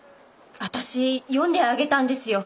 私読んであげたんですよ。